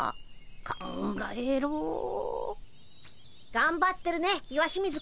がんばってるね石清水くん。